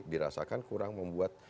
dirasakan kurang membuat